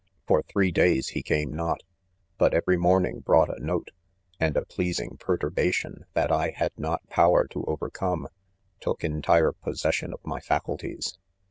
Fot three days he came not, but every morn ing brought a note; and a pleasing perturba tion that 1 had not power to overcome, took entire possession of my faculties.